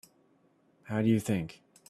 How do you think?